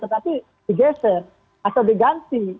tetapi digeser atau diganti